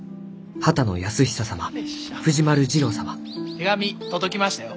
手紙届きましたよ。